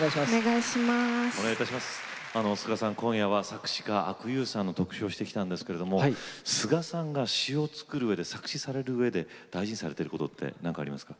今夜は作詞家阿久悠さんの特集をしてきたんですけれどもスガさんが詞を作るうえで作詞されるうえで大事にされてることって何かありますか？